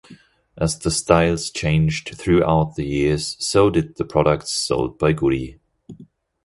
As the styles changed throughout the years, so did the products sold by Goody.